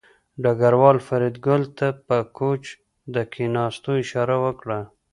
ډګروال فریدګل ته په کوچ د کېناستو اشاره وکړه